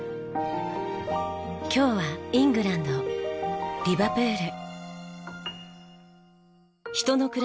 今日はイングランドリバプール。